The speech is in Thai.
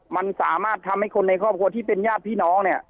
มันสามารถทำให้คนในครอบครัวที่เป็นญาติพี่น้องเนี่ย